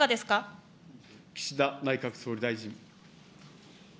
岸田内閣総理大臣。